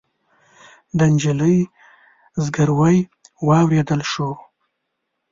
د نجلۍ زګيروی واورېدل شو.